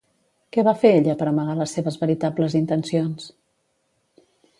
Què va fer ella per amagar les seves veritables intencions?